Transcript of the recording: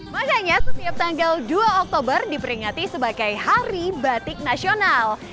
makanya setiap tanggal dua oktober diperingati sebagai hari batik nasional